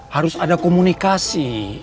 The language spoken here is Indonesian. harus ada komunikasi